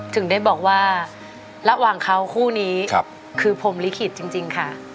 ถึงได้บอกว่าระหว่างเขาคู่นี้คือพรมลิขิตจริงค่ะ